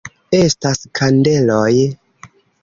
Estas kandeloj!